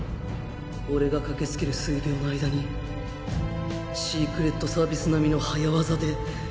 俺が駆けつける数秒の間にシークレットサービス並みの早わざで。